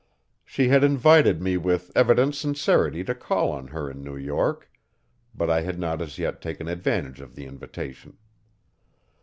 She had invited me with evident sincerity to call on her in New York; but I had not as yet taken advantage of the invitation.